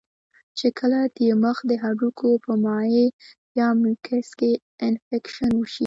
چې کله د مخ د هډوکو پۀ مائع يا ميوکس کې انفکشن اوشي